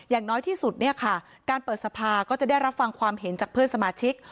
อย่างน้อยที่สุดเนี่ยค่ะการเปิดสภาก็จะได้รับฟังความเห็นจากเพื่อนสมาชิก